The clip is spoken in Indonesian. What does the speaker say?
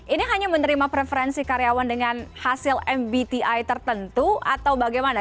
ini hanya menerima preferensi karyawan dengan hasil mbti tertentu atau bagaimana